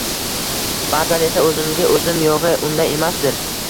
Ba’zan esa o‘zimga o‘zim: «Yo‘g‘-e, unday emasdir!